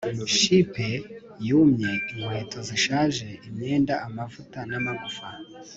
Chipe yumye inkweto zishaje imyenda amavuta namagufa